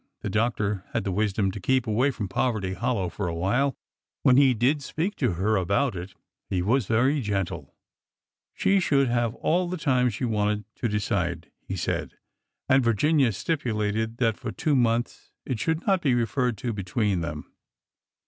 The doctor had the wisdom to keep away from Poverty Hol low for a while. When he did speak to her about it he SCENT OF A HONEYSUCKLE 583 was very gentle. She should have all the time she wanted to decide, he said. And Virginia stipulated that for two months it should not be referred to between them.